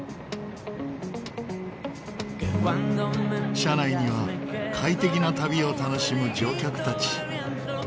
車内には快適な旅を楽しむ乗客たち。